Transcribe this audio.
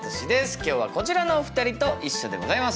今日はこちらのお二人と一緒でございます。